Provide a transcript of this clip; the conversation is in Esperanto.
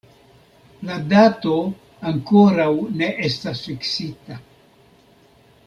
La dato ankoraŭ ne estas fiksita.